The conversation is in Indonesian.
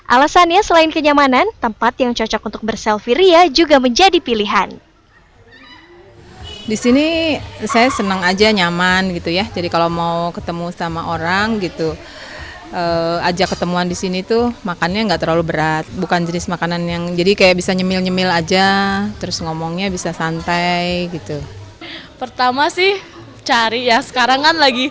alasannya selain kenyamanan tempat yang cocok untuk berselfie ria juga menjadi pilihan